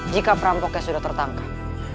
jika perampoknya sudah tertangkap